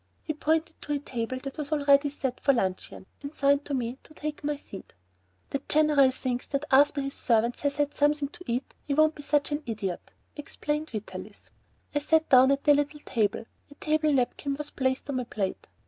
He pointed to a table that was already set for luncheon, and signed to me to take my seat. "The General thinks that after his servant has had something to eat he won't be such an idiot," explained Vitalis. I sat down at the little table; a table napkin was placed on my plate.